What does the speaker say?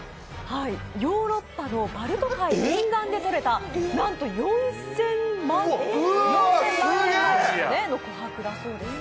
ヨーロッパのバルト海沿岸でとれたなんと４０００万年前の琥珀だそうです。